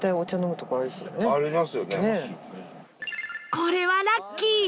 これはラッキー！